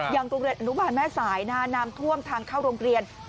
โรงเรียนอนุบาลแม่สายน้ำท่วมทางเข้าโรงเรียน